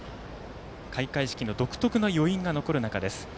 開会式の独特な余韻が残る中です。